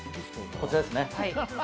こちらですね。